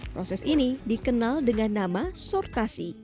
proses ini dikenal dengan nama sortasi